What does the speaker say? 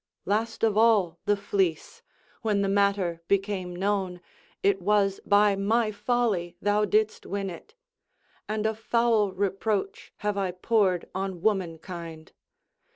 Last of all the fleece—when the matter became known, it was by my folly thou didst win it; and a foul reproach have I poured on womankind.